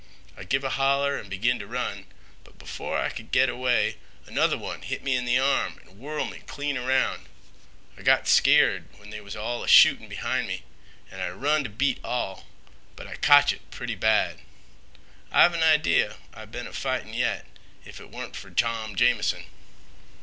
I give a holler an' begin t' run, but b'fore I could git away another one hit me in th' arm an' whirl' me clean 'round. I got skeared when they was all a shootin' b'hind me an' I run t' beat all, but I cotch it pretty bad. I've an idee I'd a been fightin' yit, if t'wasn't fer Tom Jamison."